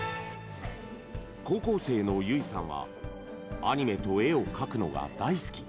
高校生の唯さんはアニメと絵を描くのが大好き。